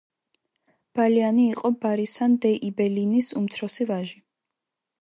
ბალიანი იყო ბარისან დე იბელინის უმცროსი ვაჟი.